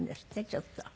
ちょっと。